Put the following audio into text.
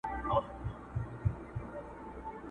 نه يې ورك سول په سرونو كي زخمونه!.